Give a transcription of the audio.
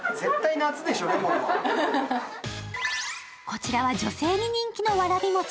こちらは女性に人気のわらび餅。